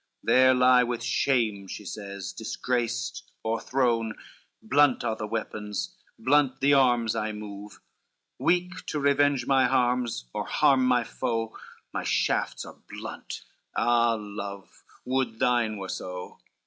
"There lie with shame," she says, "disgraced, o'erthrown, Blunt are the weapons, blunt the arms I move, Weak to revenge my harms, or harm my foe, My shafts are blunt, ah, love, would thine were so!